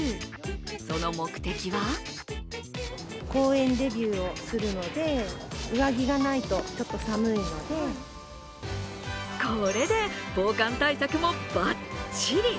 その目的はこれで防寒対策もバッチリ。